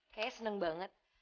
kayaknya seneng banget